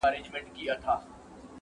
د افغانستان د استقلال د ورځي -